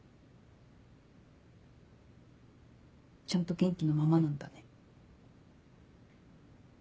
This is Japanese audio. ちゃんと元気のままなんだね。